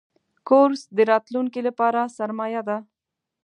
کورس د راتلونکي لپاره سرمایه ده.